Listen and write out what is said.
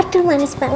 aduh manis banget